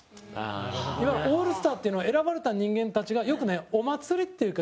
いわばオールスターっていうのは選ばれた人間たちが、よくねお祭りっていう言い方。